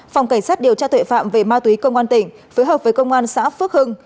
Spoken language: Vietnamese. phòng cảnh sát điều tra tuệ phạm về ma túy công an tỉnh phối hợp với công an xã phước hưng